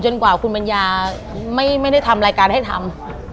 กว่าคุณปัญญาไม่ได้ทำรายการให้ทำ